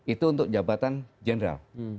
itu untuk jabatan general